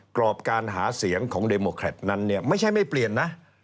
กรอบการหาเสียงของเดโมแครตนั้นเนี่ยไม่ใช่ไม่เปลี่ยนนะ